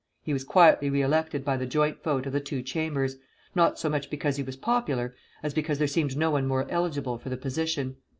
He was quietly re elected by the joint vote of the two Chambers, not so much because he was popular as because there seemed no one more eligible for the position.